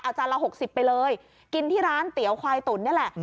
จานละ๖๐ไปเลยกินที่ร้านเตี๋ยวควายตุ๋นนี่แหละ